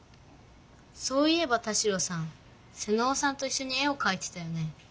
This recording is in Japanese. そういえば田代さん妹尾さんといっしょに絵をかいてたよね？